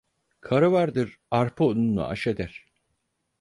Karı vardır arpa ununu aş eder.